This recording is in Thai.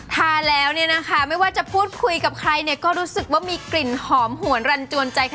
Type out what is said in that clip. ทาแล้วไม่ว่าจะพูดคุยกับใครก็รู้สึกว่ามีกลิ่นหอมห่วนรันจวนใจ